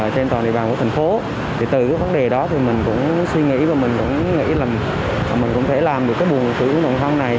trên toàn địa bàn của thành phố từ vấn đề đó mình cũng suy nghĩ và mình cũng nghĩ là mình cũng có thể làm được cái buồng khử khuẩn đầu tiên này